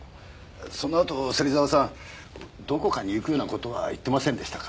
そのあと芹沢さんどこかに行くような事は言ってませんでしたか？